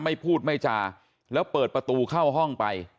ไม่พูดไม่จาแล้วเปิดประตูเข้าห้องไป